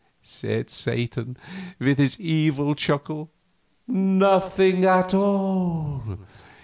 said Satan, with his evil chuckle. "Nothing at all.